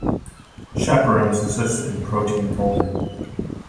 Chaperones assist in protein folding.